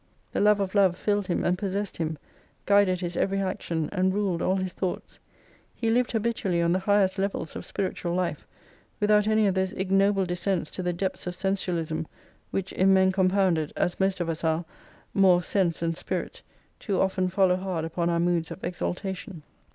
The love of love fiUed him and possessed him, guided his every action, and ruled all his thoughts He Hved habitually on the highest levels of spiritual life without any of those ignoble descents to the depths of sensuaHsm which, in men compounded as most of us are. more of sense than spirit, too often tollow hard upon our moods of exaltation.